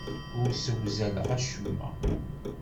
Ur ssewzaleɣ acemma.